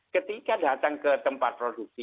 ketika datang ke tempat produksi